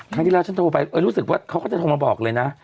ครั้งที่แล้วฉันโทรไปรู้สึกว่าเขาก็จะโทรมาบอกเลยนะ